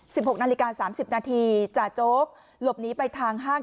หกนาฬิกาสามสิบนาทีจ่าโจ๊กหลบหนีไปทางห้าง